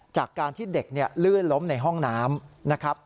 จากการที่เด็กลื่นล้มในห้องน้ำนะครับ